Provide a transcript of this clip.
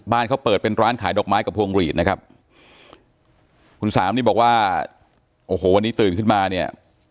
เขาเปิดเป็นร้านขายดอกไม้กับพวงหลีดนะครับคุณสามนี่บอกว่าโอ้โหวันนี้ตื่นขึ้นมาเนี่ย